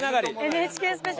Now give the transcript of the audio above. ＮＨＫスペシャル。